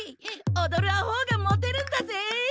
踊るあほうがモテるんだぜ！